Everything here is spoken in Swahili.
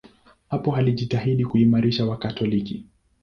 Hapo alijitahidi kuimarisha Wakatoliki.